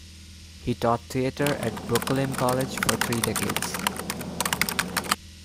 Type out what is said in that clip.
He taught theater at Brooklyn College for three decades.